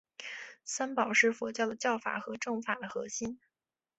三宝是佛教的教法和证法的核心。